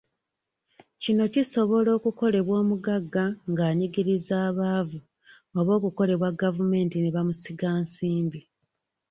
Kino kisobola okukolebwa omugagga ng'anyigiriza abaavu oba okukolebwa gavumenti ne bamusigansimbi.